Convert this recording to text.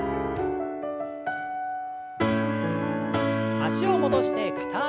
脚を戻して片脚跳び。